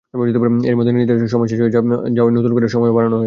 এরই মধ্যে নির্ধারিত সময় শেষ হয়ে যাওয়ায় নতুন করে সময়ও বাড়ানো হয়েছে।